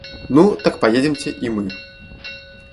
Ну, так поедемте и мы.